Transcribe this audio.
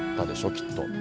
きっと。